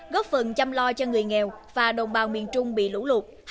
góp phần chăm lo cho người nghèo và đồng bào miền trung bị lũ lụt